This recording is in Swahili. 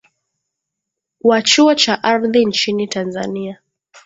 wa chuo cha ardhi nchini tanzania